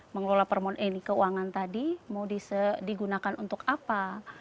mengelola permohonan keuangan tadi mau digunakan untuk apa